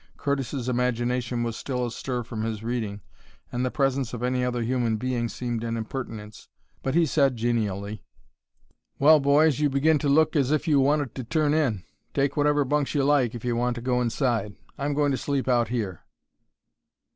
Curtis's imagination was still astir from his reading, and the presence of any other human being seemed an impertinence. But he said, genially: "Well, boys, you begin to look as if you wanted to turn in. Take whatever bunks you like, if you want to go inside. I'm going to sleep out here."